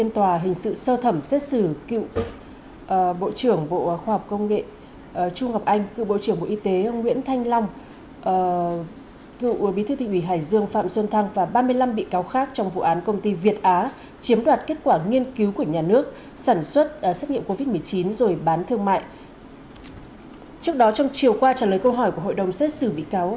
trước đó trong chiều qua trả lời câu hỏi của hội đồng xét xử bị cáo